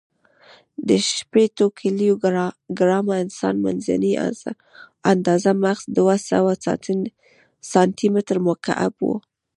د شپېتو کیلو ګرامه انسان، منځنۍ آندازه مغز دوهسوه سانتي متر مکعب و.